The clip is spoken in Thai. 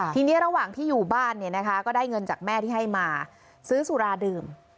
ทีนี้ระหว่างที่อยู่บ้านเนี่ยนะคะก็ได้เงินจากแม่ที่ให้มาซื้อสุราดื่ม